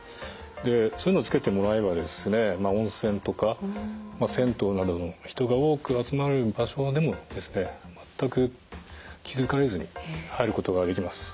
そういうのを付けてもらえば温泉とか銭湯などの人が多く集まる場所でも全く気付かれずに入ることができます。